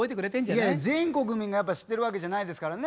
いやいや全国民がやっぱ知ってるわけじゃないですからね。